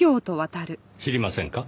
知りませんか？